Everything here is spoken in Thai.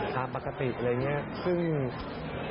ทำปกติอะไรอย่างนี้